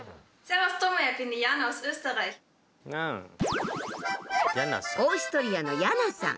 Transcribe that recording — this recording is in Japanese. オーストリアのヤナさん。